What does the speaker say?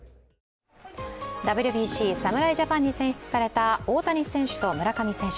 ＷＢＣ、侍ジャパンに選出された大谷選手と村上選手。